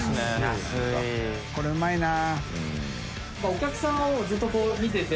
これうまいな。